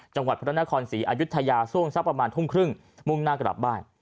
จังหวัดพระนครศรีอายุทยาช่วงสักประมาณทุ่มครึ่งมุ่งหน้ากลับบ้าน